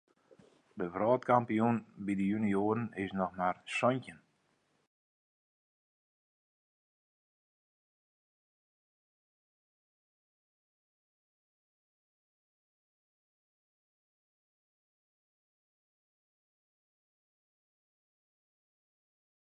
De wrâldkampioen by de junioaren is noch mar santjin.